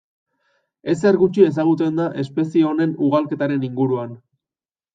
Ezer gutxi ezagutzen da espezie honen ugalketaren inguruan.